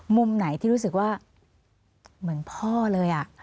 มุมไหนที่รู้สึกว่าเหมือนพ่อเลย